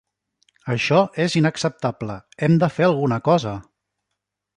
Això és inacceptable; hem de fer alguna cosa!